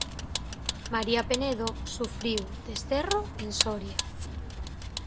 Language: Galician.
María Penedo sufriu desterro en Soria.